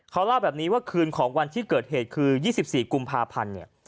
เขาเล่าแบบนี้ว่าคืนของวันที่เกิดเหตุคือ๒๔กุมภาพันธ์เนี่ย